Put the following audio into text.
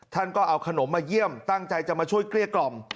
ท่านก็เอาขนมมาเยี่ยมตั้งใจจะมาช่วยเกลี้ยกล่อม